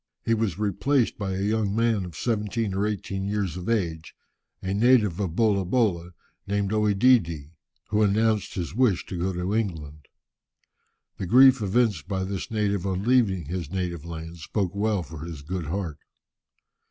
He was replaced by a young man of seventeen or eighteen years of age, a native of Bolabola, named OEdidi, who announced his wish to go to England. The grief evinced by this native on leaving his native land spoke well for his good heart.